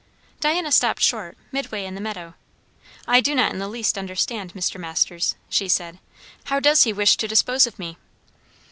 Diana stopped short, midway in the meadow. "I do not in the least understand, Mr. Masters," she said. "How does He wish to dispose of me?"